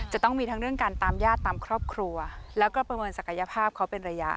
จะต้องมีทั้งเรื่องการตามญาติตามครอบครัวแล้วก็ประเมินศักยภาพเขาเป็นระยะ